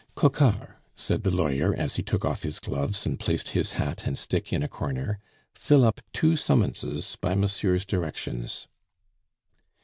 "Coquart," said the lawyer, as he took off his gloves, and placed his hat and stick in a corner, "fill up two summonses by monsieur's directions."